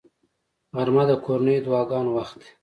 غرمه د کورنیو دعاګانو وخت دی